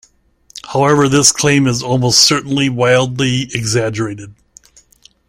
However, this claim is almost certainly wildly exaggerated.